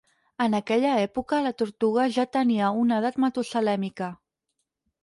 En aquella època la tortuga ja tenia una edat matusalèmica.